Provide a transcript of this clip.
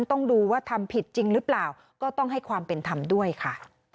ต้องดูว่าทำผิดจริงหรือเปล่าก็ต้องให้ความเป็นธรรมด้วยค่ะ